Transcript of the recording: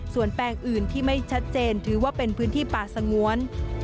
ส่วนแปลงอื่นที่ไม่ชัดเจนถือว่าเป็นพื้นที่ป่าสงวน